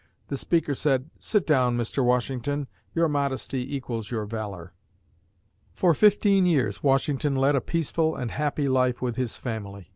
The speaker said, "Sit down, Mr. Washington, your modesty equals your valor!" For fifteen years, Washington led a peaceful and happy life with his family.